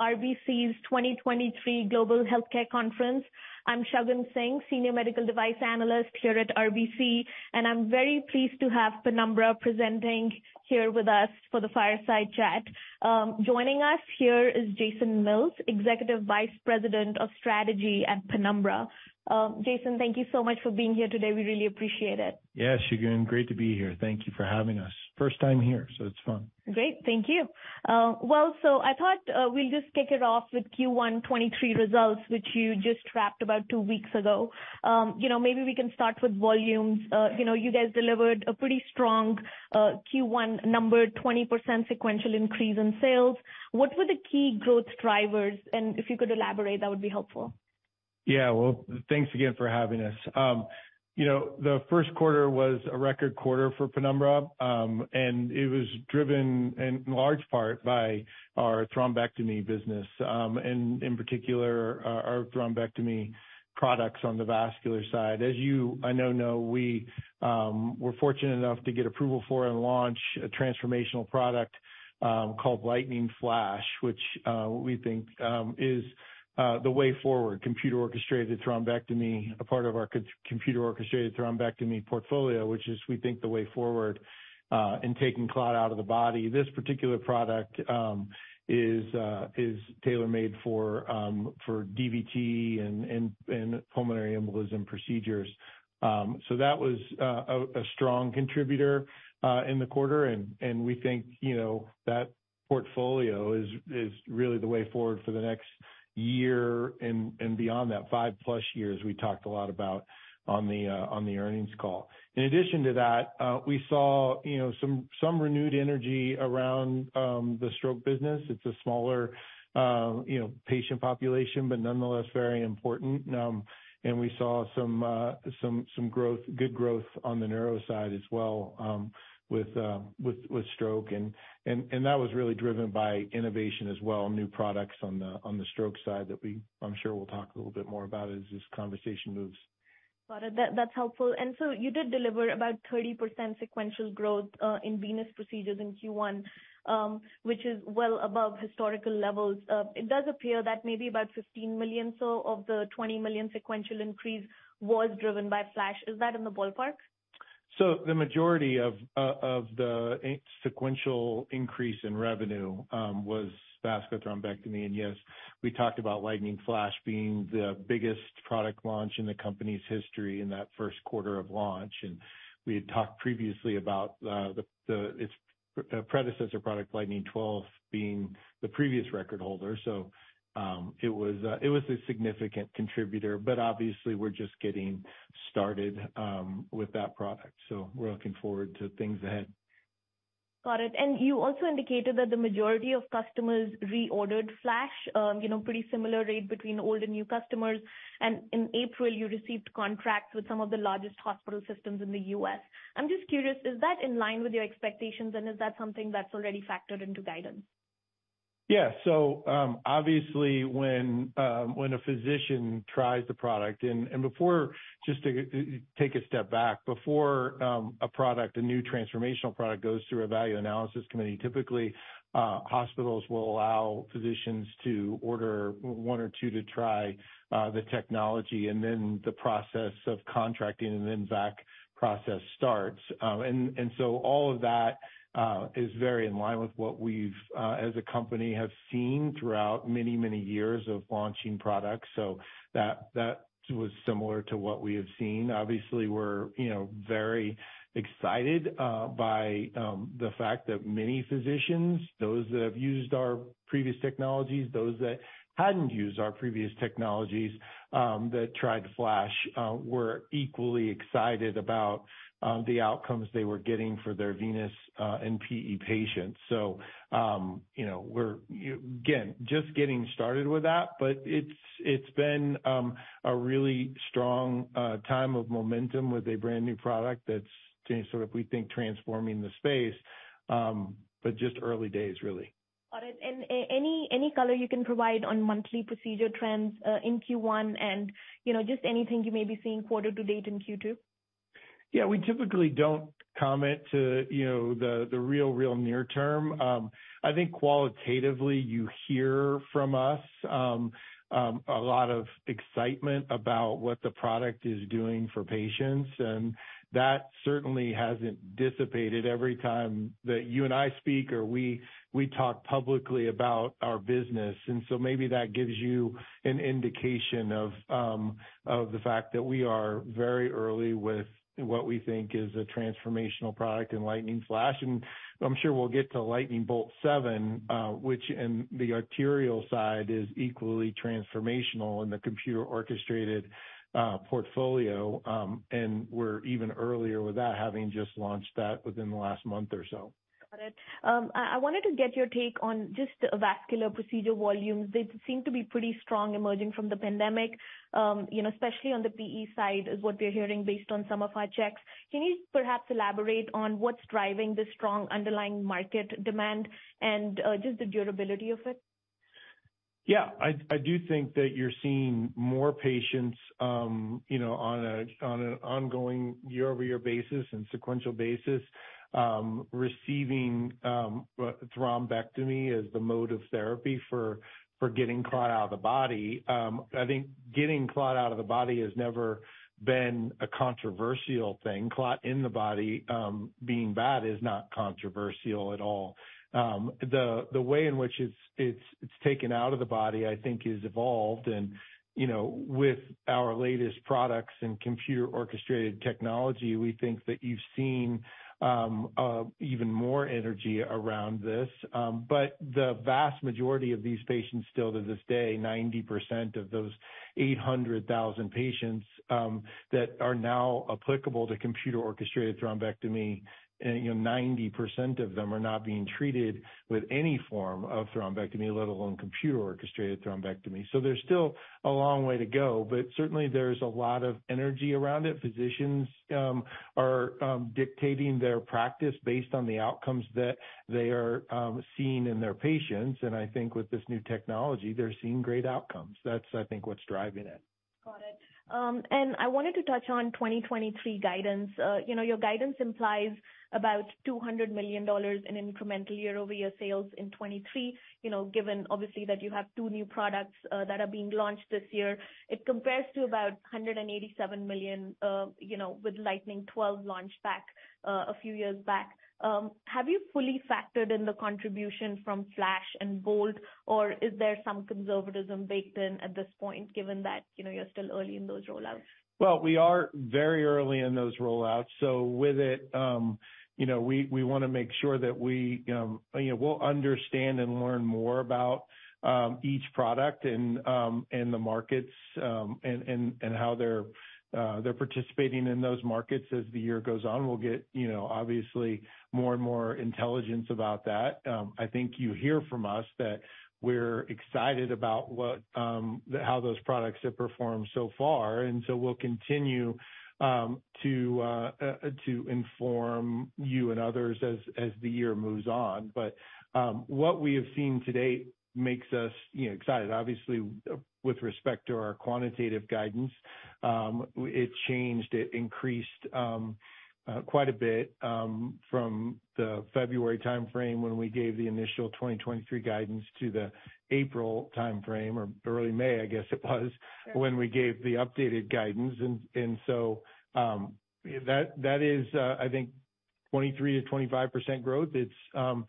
RBC's 2023 Global Healthcare Conference. I'm Shagun Singh, Senior Medical Device Analyst here at RBC. I'm very pleased to have Penumbra presenting here with us for the fireside chat. Joining us here is Jason Mills, Executive Vice President of Strategy at Penumbra. Jason, thank you so much for being here today. We really appreciate it. Yeah, Shagun, great to be here. Thank you for having us. First time here, so it's fun. Great. Thank you. I thought we'll just kick it off with Q1 2023 results, which you just wrapped about two weeks ago. You know, maybe we can start with volumes. You know, you guys delivered a pretty strong Q1 number, 20% sequential increase in sales. What were the key growth drivers? If you could elaborate, that would be helpful. Yeah. Well, thanks again for having us. You know, the first quarter was a record quarter for Penumbra. It was driven in large part by our thrombectomy business, in particular our thrombectomy products on the vascular side. As you, I know, we were fortunate enough to get approval for and launch a transformational product called Lightning Flash, which we think is the way forward. Computer-orchestrated thrombectomy, a part of our computer-orchestrated thrombectomy portfolio, which is we think the way forward in taking clot out of the body. This particular product is tailor-made for DVT and pulmonary embolism procedures. That was a strong contributor in the quarter. We think, you know, that portfolio is really the way forward for the next year and beyond that five-plus years we talked a lot about on the earnings call. In addition to that, we saw, you know, some renewed energy around the stroke business. It's a smaller, you know, patient population, but nonetheless very important. We saw some growth, good growth on the neuro side as well, with stroke, and that was really driven by innovation as well, new products on the stroke side that I'm sure we'll talk a little bit more about as this conversation moves. Got it. That's helpful. You did deliver about 30% sequential growth in venous procedures in Q1, which is well above historical levels. It does appear that maybe about $15 million, so of the $20 million sequential increase was driven by Flash. Is that in the ballpark? The majority of the sequential increase in revenue was vascular thrombectomy. Yes, we talked about Lightning Flash being the biggest product launch in the company's history in that first quarter of launch. We had talked previously about its predecessor product, Lightning 12, being the previous record holder. It was a significant contributor, but obviously we're just getting started with that product. We're looking forward to things ahead. Got it. You also indicated that the majority of customers reordered Flash, you know, pretty similar rate between old and new customers. In April you received contracts with some of the largest hospital systems in the U.S. I'm just curious, is that in line with your expectations and is that something that's already factored into guidance? Yeah. Obviously when a physician tries the product. Just to take a step back. Before a product, a new transformational product goes through a Value Analysis Committee, typically, hospitals will allow physicians to order one or two to try the technology and then the process of contracting and then VAC process starts. All of that is very in line with what we've as a company, have seen throughout many, many years of launching products. That was similar to what we have seen. Obviously, we're, you know, very excited by the fact that many physicians, those that have used our previous technologies, those that hadn't used our previous technologies, that tried Flash, were equally excited about the outcomes they were getting for their venous and PE patients. You know, we're, again, just getting started with that, but it's been a really strong time of momentum with a brand-new product that's sort of, we think, transforming the space. Just early days really. Got it. Any color you can provide on monthly procedure trends, in Q1 and, you know, just anything you may be seeing quarter to date in Q2? Yeah, we typically don't comment to, you know, the real near term. I think qualitatively you hear from us a lot of excitement about what the product is doing for patients, and that certainly hasn't dissipated every time that you and I speak or we talk publicly about our business. Maybe that gives you an indication of the fact that we are very early with what we think is a transformational product in Lightning Flash. I'm sure we'll get to Lightning Bolt 7, which in the arterial side is equally transformational in the computer-orchestrated portfolio. We're even earlier with that having just launched that within the last month or so. Got it. I wanted to get your take on just the vascular procedure volumes. They seem to be pretty strong emerging from the pandemic. You know, especially on the PE side is what we're hearing based on some of our checks. Can you perhaps elaborate on what's driving the strong underlying market demand and just the durability of it? I do think that you're seeing more patients, you know, on an ongoing year-over-year basis and sequential basis, receiving a thrombectomy as the mode of therapy for getting clot out of the body. I think getting clot out of the body has never been a controversial thing. Clot in the body, being bad is not controversial at all. The way in which it's taken out of the body, I think is evolved and, you know, with our latest products and computer-orchestrated technology, we think that you've seen even more energy around this. The vast majority of these patients still to this day, 90% of those 800,000 patients that are now applicable to computer-orchestrated thrombectomy, 90% of them are not being treated with any form of thrombectomy, let alone computer-orchestrated thrombectomy. There's still a long way to go, but certainly, there's a lot of energy around it. Physicians are dictating their practice based on the outcomes that they are seeing in their patients. I think with this new technology, they're seeing great outcomes. That's I think what's driving it. Got it. I wanted to touch on 2023 guidance. You know, your guidance implies about $200 million in incremental year-over-year sales in 23, you know, given obviously that you have two new products that are being launched this year. It compares to about $187 million, you know, with Lightning 12 launch back a few years back. Have you fully factored in the contribution from Flash and Bolt, or is there some conservatism baked in at this point given that, you know, you're still early in those rollouts? We are very early in those rollouts. With it, you know, we wanna make sure that we, you know, we'll understand and learn more about each product and the markets, and how they're participating in those markets as the year goes on. We'll get, you know, obviously more and more intelligence about that. I think you hear from us that we're excited about what, how those products have performed so far. We'll continue to inform you and others as the year moves on. What we have seen to date makes us, you know, excited. Obviously, with respect to our quantitative guidance, it changed. It increased, quite a bit, from the February timeframe when we gave the initial 2023 guidance to the April timeframe or early May, I guess it was when we gave the updated guidance. That, that is, I think 23%-25% growth. It's,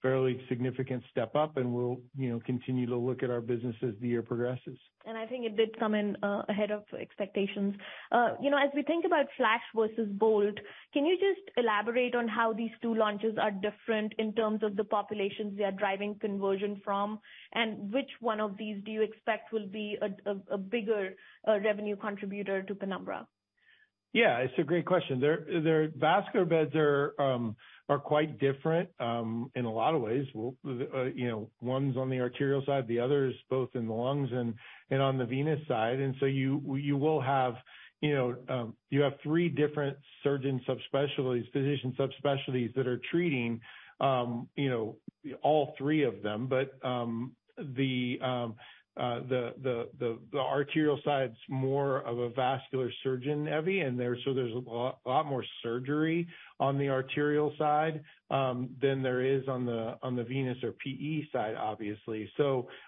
fairly significant step up and we'll, you know, continue to look at our business as the year progresses. I think it did come in ahead of expectations. You know, as we think about Flash versus Bolt, can you just elaborate on how these two launches are different in terms of the populations they are driving conversion from, and which one of these do you expect will be a bigger revenue contributor to Penumbra? Yeah, it's a great question. Their vascular beds are quite different in a lot of ways. You know, one's on the arterial side, the other is both in the lungs and on the venous side. You will have, you know. You have three different surgeon subspecialties, physician subspecialties that are treating, you know, all three of them. The arterial side's more of a vascular surgeon heavy, so there's a lot more surgery on the arterial side than there is on the venous or PE side, obviously.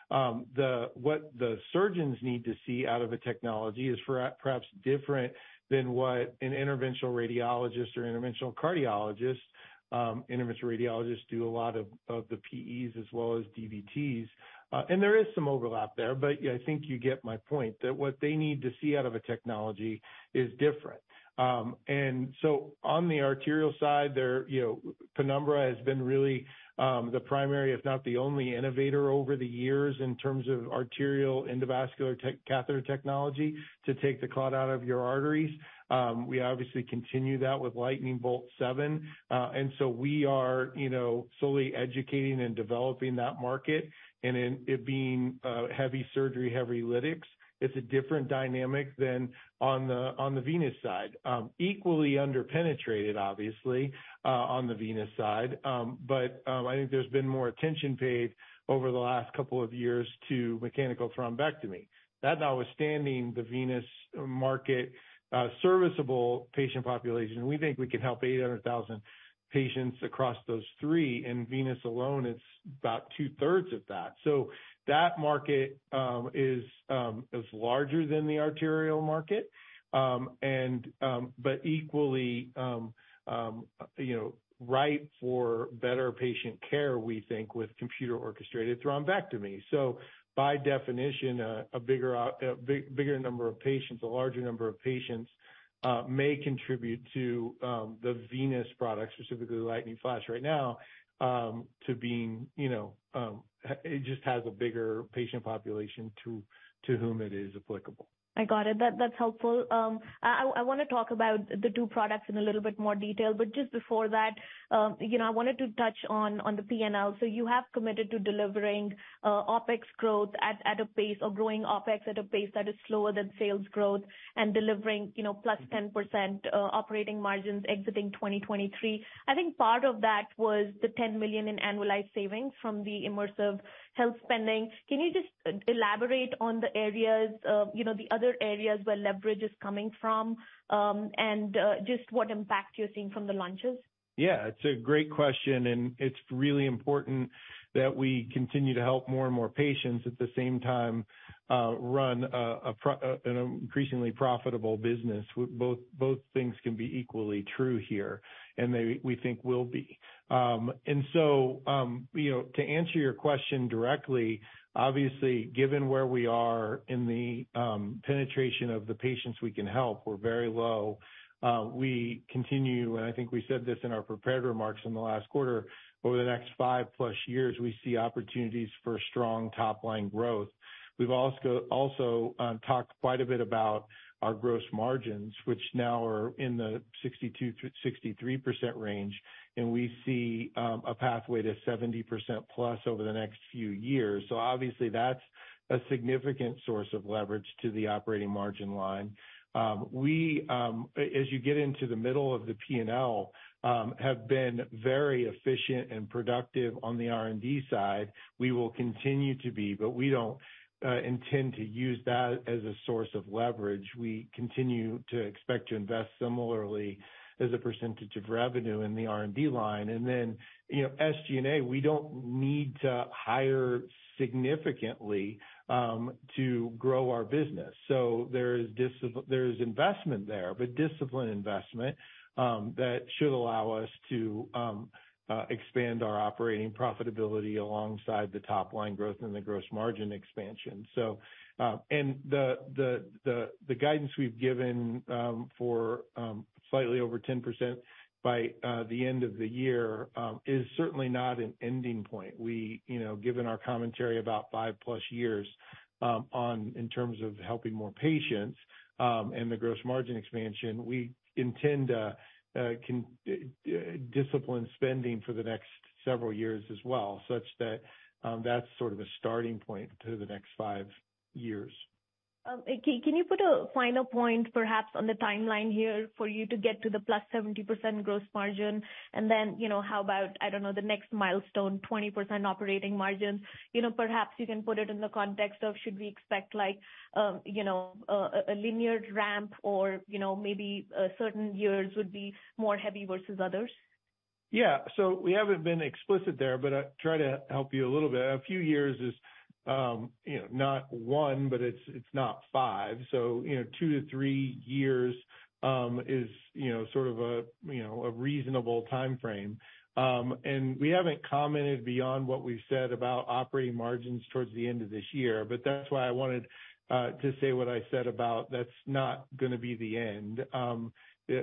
What the surgeons need to see out of a technology is perhaps different than what an interventional radiologist or interventional cardiologist, interventional radiologists do a lot of the PEs as well as DVTs. There is some overlap there, but I think you get my point, that what they need to see out of a technology is different. On the arterial side, there, you know, Penumbra has been really the primary, if not the only innovator over the years in terms of arterial endovascular catheter technology to take the clot out of your arteries. We obviously continue that with Lightning Bolt 7. We are, you know, solely educating and developing that market. It being heavy surgery, heavy lytics, it's a different dynamic than on the venous side. Equally under-penetrated obviously, on the venous side. I think there's been more attention paid over the last couple of years to mechanical thrombectomy. That notwithstanding the venous market, serviceable patient population. We think we can help 800,000 patients across those three. In venous alone, it's about 2/3 of that. That market is larger than the arterial market. Equally, you know, ripe for better patient care, we think with computer-orchestrated thrombectomy. By definition, a bigger number of patients, a larger number of patients, may contribute to the venous product, specifically Lightning Flash right now, to being, you know, it just has a bigger patient population to whom it is applicable. I got it. That, that's helpful. I wanna talk about the two products in a little bit more detail, just before that, you know, I wanted to touch on the P&L. You have committed to delivering OpEx growth at a pace or growing OpEx at a pace that is slower than sales growth and delivering, you know, +10% operating margins exiting 2023. I think part of that was the $10 million in annualized savings from the Immersive Healthcare spending. Can you just elaborate on the areas of, you know, the other areas where leverage is coming from, and just what impact you're seeing from the launches? Yeah, it's a great question, and it's really important that we continue to help more and more patients at the same time, run an increasingly profitable business. Both things can be equally true here, and we think will be. You know, to answer your question directly, obviously, given where we are in the penetration of the patients we can help, we're very low. We continue, and I think we said this in our prepared remarks in the last quarter, over the next five-plus years, we see opportunities for strong top-line growth. We've also talked quite a bit about our gross margins, which now are in the 62%-63% range, and we see a pathway to 70%+ over the next few years. Obviously, that's a significant source of leverage to the operating margin line. We, as you get into the middle of the P&L, have been very efficient and productive on the R&D side. We will continue to be, but we don't intend to use that as a source of leverage. We continue to expect to invest similarly as a percentage of revenue in the R&D line. You know, SG&A, we don't need to hire significantly to grow our business. There is investment there, but disciplined investment, that should allow us to expand our operating profitability alongside the top-line growth and the gross margin expansion. And the guidance we've given for slightly over 10% by the end of the year is certainly not an ending point. We, you know, given our commentary about five-plus years on in terms of helping more patients and the gross margin expansion, we intend discipline spending for the next several years as well, such that that's sort of a starting point to the next five years. Can you put a final point perhaps on the timeline here for you to get to the +70% gross margin? Then, you know, how about, I don't know, the next milestone, 20% operating margin? You know, perhaps you can put it in the context of should we expect like, you know, a linear ramp or, you know, maybe certain years would be more heavy versus others. We haven't been explicit there, but I'll try to help you a little bit. A few years is, you know, not one, but it's not five. You know, two to three years, is, you know, sort of a, you know, a reasonable timeframe. We haven't commented beyond what we said about operating margins towards the end of this year. That's why I wanted to say what I said about that's not gonna be the end.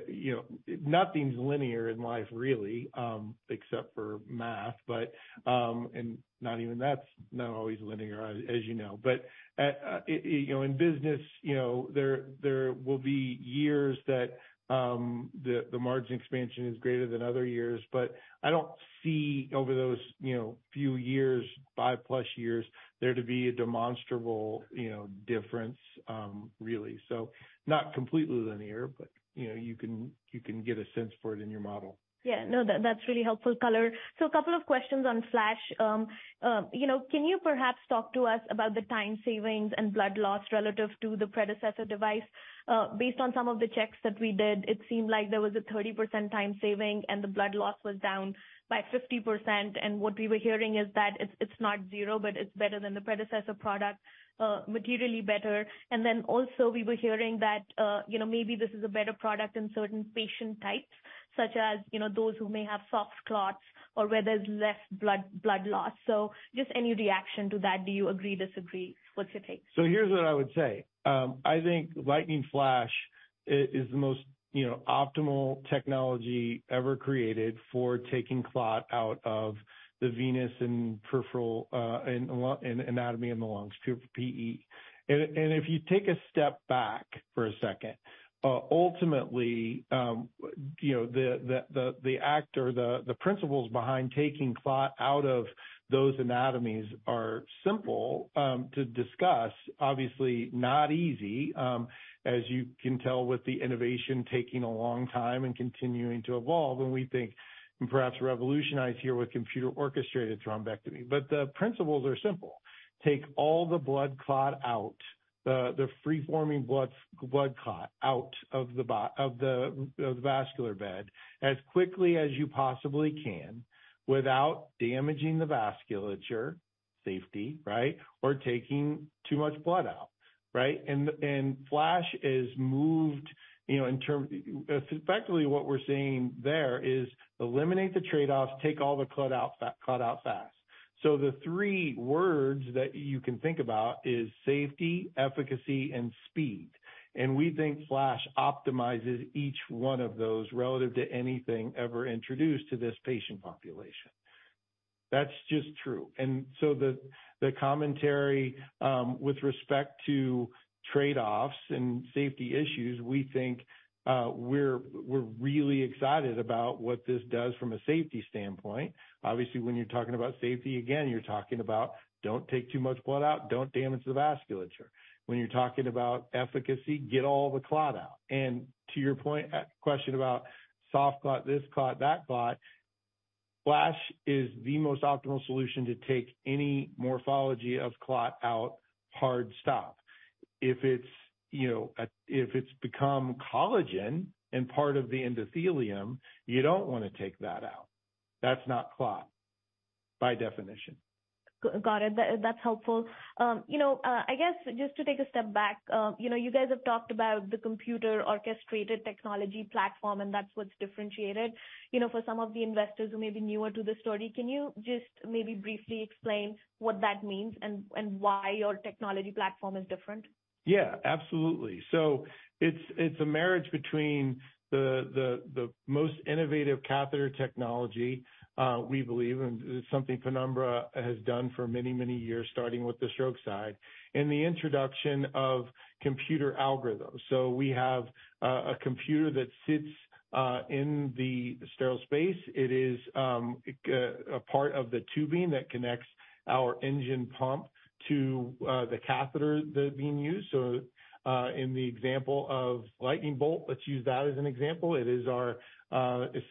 You know, nothing's linear in life really, except for math. Not even that's not always linear, as you know. You know, in business, you know, there will be years that, the margin expansion is greater than other years. I don't see over those, you know, few years, five-plus years, there to be a demonstrable, you know, difference, really. Not completely linear, but, you know, you can, you can get a sense for it in your model. Yeah, no, that's really helpful color. A couple of questions on Flash. You know, can you perhaps talk to us about the time savings and blood loss relative to the predecessor device? Based on some of the checks that we did, it seemed like there was a 30% time saving, and the blood loss was down by 50%. What we were hearing is that it's not zero, but it's better than the predecessor product, materially better. Then also we were hearing that, you know, maybe this is a better product in certain patient types, such as, you know, those who may have soft clots or where there's less blood loss. Just any reaction to that. Do you agree, disagree? What's your take? Here's what I would say. I think Lightning Flash is the most, you know, optimal technology ever created for taking clot out of the venous and peripheral anatomy in the lungs, PE. If you take a step back for a second, ultimately, you know, the act or the principles behind taking clot out of those anatomies are simple to discuss, obviously not easy, as you can tell with the innovation taking a long time and continuing to evolve, and we think and perhaps revolutionize here with computer-orchestrated thrombectomy. The principles are simple: Take all the blood clot out, the free-forming blood clot out of the vascular bed as quickly as you possibly can without damaging the vasculature, safety, right? Or taking too much blood out, right? Flash has moved, you know, effectively what we're seeing there is eliminate the trade-offs, take all the clot out fast. The three words that you can think about is safety, efficacy, and speed. We think Flash optimizes each one of those relative to anything ever introduced to this patient population. That's just true. The commentary with respect to trade-offs and safety issues, we think we're really excited about what this does from a safety standpoint. Obviously, when you're talking about safety, again, you're talking about don't take too much blood out, don't damage the vasculature. When you're talking about efficacy, get all the clot out. To your point question about soft clot, this clot, that clot, Flash is the most optimal solution to take any morphology of clot out hard stop. If it's, you know, if it's become collagen and part of the endothelium, you don't wanna take that out. That's not clot by definition. Got it. That's helpful. You know, I guess just to take a step back, you know, you guys have talked about the computer-orchestrated technology platform, that's what's differentiated. You know, for some of the investors who may be newer to the story, can you just maybe briefly explain what that means and why your technology platform is different? Yeah, absolutely. It's a marriage between the most innovative catheter technology, we believe, and it's something Penumbra has done for many, many years, starting with the stroke side, and the introduction of computer algorithms. We have a computer that sits in the sterile space. It is a part of the tubing that connects our engine pump to the catheter that are being used. In the example of Lightning Bolt, let's use that as an example. It is our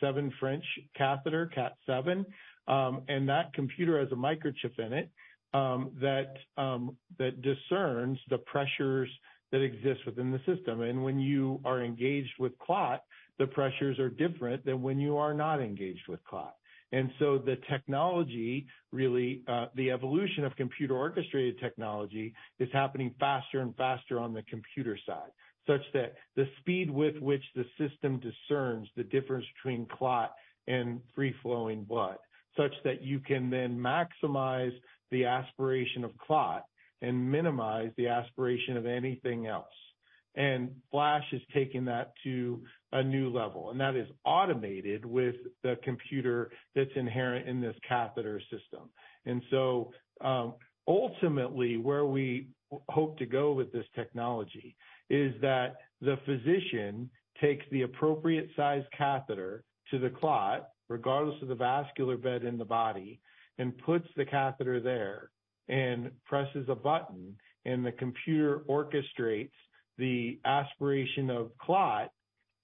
7 French catheter, CAT7, and that computer has a microchip in it that discerns the pressures that exist within the system. When you are engaged with clot, the pressures are different than when you are not engaged with clot. The technology really, the evolution of computer-orchestrated technology is happening faster and faster on the computer side, such that the speed with which the system discerns the difference between clot and free-flowing blood, such that you can then maximize the aspiration of clot and minimize the aspiration of anything else. Flash is taking that to a new level, and that is automated with the computer that's inherent in this catheter system. Ultimately, where we hope to go with this technology is that the physician takes the appropriate size catheter to the clot, regardless of the vascular bed in the body, and puts the catheter there and presses a button, and the computer orchestrates the aspiration of clot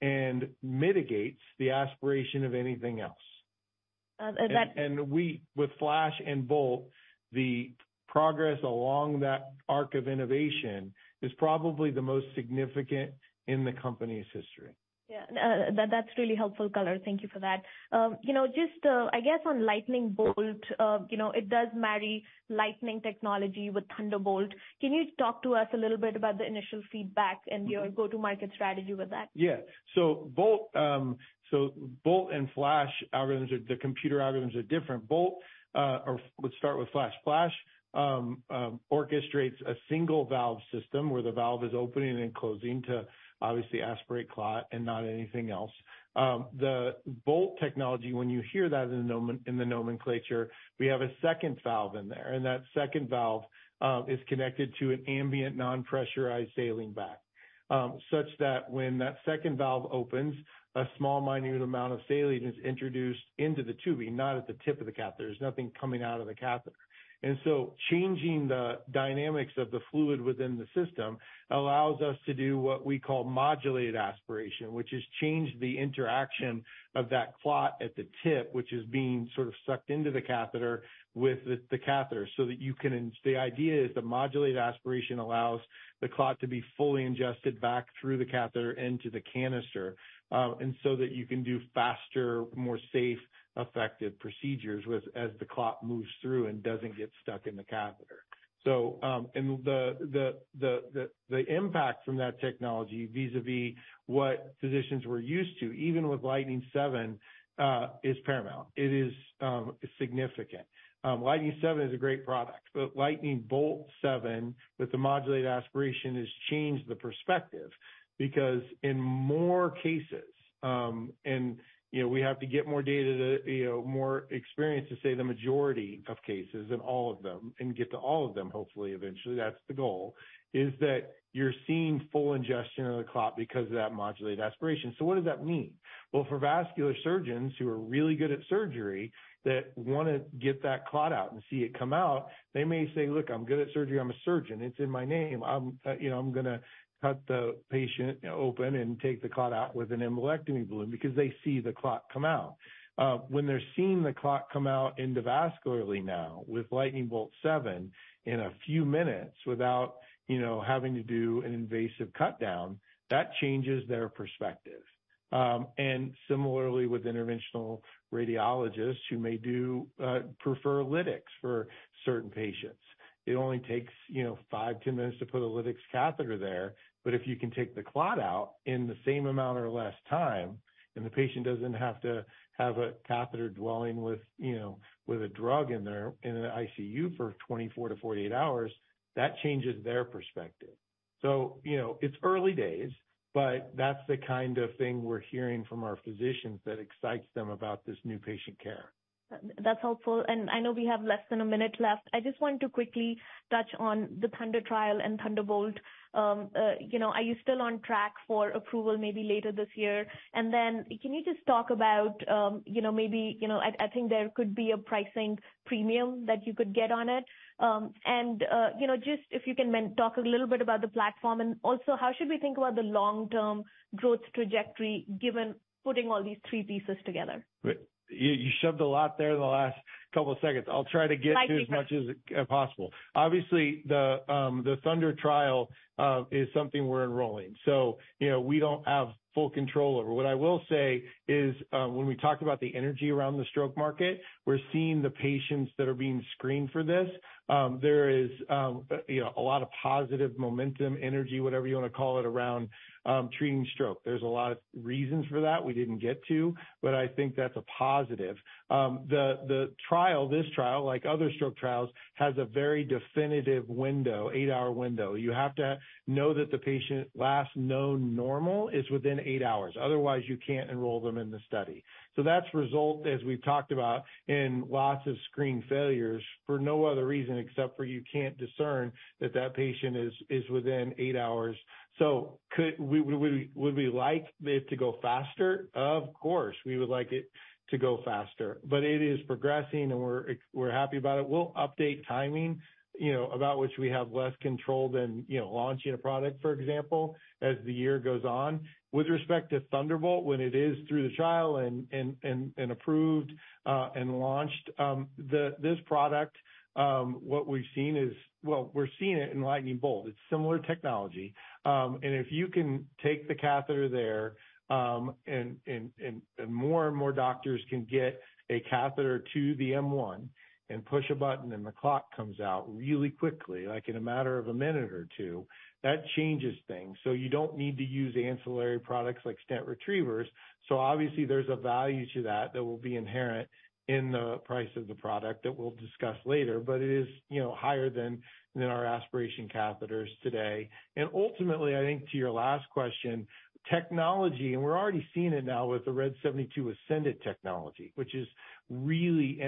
and mitigates the aspiration of anything else. Uh, that- With Flash and Bolt, the progress along that arc of innovation is probably the most significant in the company's history. Yeah. that's really helpful color. Thank you for that. You know, just, I guess on Lightning Bolt, you know, it does marry Lightning technology with Thunderbolt. Can you talk to us a little bit about the initial feedback and your go-to-market strategy with that? Yeah. Bolt and Flash algorithms are the computer algorithms are different. Or let's start with Flash. Flash orchestrates a single valve system where the valve is opening and closing to obviously aspirate clot and not anything else. The Bolt technology, when you hear that in the nomenclature, we have a second valve in there, and that second valve is connected to an ambient non-pressurized saline bag, such that when that second valve opens, a small minute amount of saline is introduced into the tubing, not at the tip of the catheter. There's nothing coming out of the catheter. Changing the dynamics of the fluid within the system allows us to do what we call modulated aspiration, which has changed the interaction of that clot at the tip, which is being sort of sucked into the catheter with the catheter so that you can. The idea is that modulated aspiration allows the clot to be fully ingested back through the catheter into the canister, so that you can do faster, more safe, effective procedures as the clot moves through and doesn't get stuck in the catheter. The impact from that technology vis-a-vis what physicians were used to, even with Lightning 7, is paramount. It is significant. Lightning 7 is a great product, but Lightning Bolt 7 with the modulated aspiration has changed the perspective because in more cases, and you know, we have to get more data to, you know, more experience to say the majority of cases than all of them and get to all of them, hopefully, eventually, that's the goal, is that you're seeing full ingestion of the clot because of that modulated aspiration. What does that mean? Well, for vascular surgeons who are really good at surgery that wanna get that clot out and see it come out, they may say, "Look, I'm good at surgery. I'm a surgeon. It's in my name. I'm, you know, I'm gonna cut the patient open and take the clot out with an embolectomy balloon," because they see the clot come out. When they're seeing the clot come out endovascularly now with Lightning Bolt 7 in a few minutes without, you know, having to do an invasive cutdown, that changes their perspective. Similarly with interventional radiologists who may prefer lytics for certain patients. It only takes, you know, 5, 10 minutes to put a lytics catheter there. If you can take the clot out in the same amount or less time and the patient doesn't have to have a catheter dwelling with, you know, with a drug in there in an ICU for 24-48 hours, that changes their perspective. You know, it's early days. That's the kind of thing we're hearing from our physicians that excites them about this new patient care. That's helpful. I know we have less than a minute left. I just wanted to quickly touch on the THUNDER trial and Thunderbolt. You know, are you still on track for approval maybe later this year? Can you just talk about, you know, maybe, you know, I think there could be a pricing premium that you could get on it. You know, just if you can talk a little bit about the platform and also how should we think about the long-term growth trajectory given putting all these three pieces together? You shoved a lot there in the last couple seconds. I'll try to get through as much as possible. I think. Obviously, the THUNDER trial is something we're enrolling. You know, we don't have full control over. What I will say is, when we talk about the energy around the stroke market, we're seeing the patients that are being screened for this. There is, you know, a lot of positive momentum, energy, whatever you wanna call it, around treating stroke. A lot of reasons for that we didn't get to, but I think that's a positive. The trial, this trial, like other stroke trials, has a very definitive window, 8-hour window. You have to know that the patient last known normal is within 8 hours. Otherwise, you can't enroll them in the study. That's result, as we've talked about, in lots of screen failures for no other reason except for you can't discern that that patient is within eight hours. Would we like it to go faster? Of course, we would like it to go faster. It is progressing, and we're happy about it. We'll update timing, you know, about which we have less control than, you know, launching a product, for example, as the year goes on. With respect to Thunderbolt, when it is through the trial and approved and launched, this product, what we've seen is. Well, we're seeing it in Lightning Bolt. It's similar technology. If you can take the catheter there, and more and more doctors can get a catheter to the M1 and push a button and the clot comes out really quickly, like in a matter of one or two minutes, that changes things. You don't need to use ancillary products like stent retrievers. Obviously there's a value to that will be inherent in the price of the product that we'll discuss later. It is, you know, higher than our aspiration catheters today. Ultimately, I think to your last question, technology, and we're already seeing it now with the RED 72 SENDit technology, which is really,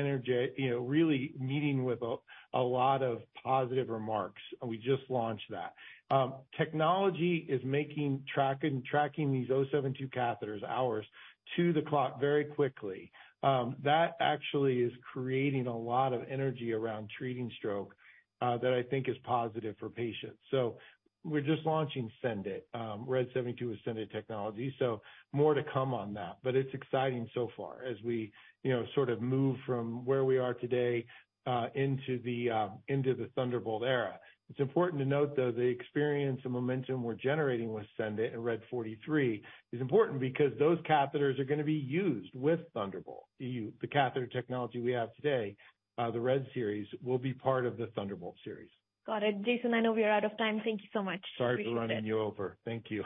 you know, really meeting with a lot of positive remarks. We just launched that. Technology is making track and tracking these RED 72 catheters hours to the clock very quickly. That actually is creating a lot of energy around treating stroke that I think is positive for patients. We're just launching SENDit, RED 72 with SENDit Technology, so more to come on that. It's exciting so far as we, you know, sort of move from where we are today into the Thunderbolt era. It's important to note, though, the experience and momentum we're generating with SENDit and RED 43 is important because those catheters are gonna be used with Thunderbolt. The catheter technology we have today, the RED series, will be part of the Thunderbolt series. Got it. Jason, I know we are out of time. Thank you so much. Appreciate it. Sorry for running you over. Thank you.